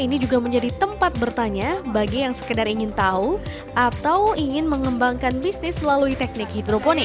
ini juga menjadi tempat bertanya bagi yang sekedar ingin tahu atau ingin mengembangkan bisnis melalui teknik hidroponik